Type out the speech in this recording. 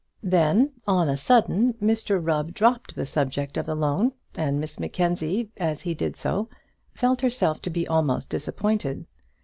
Then, on a sudden, Mr Rubb dropped the subject of the loan, and Miss Mackenzie, as he did so, felt herself to be almost disappointed.